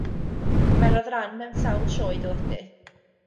Cymerodd ran mewn sawl sioe deledu.